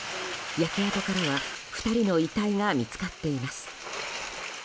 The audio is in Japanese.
焼け跡からは２人の遺体が見つかっています。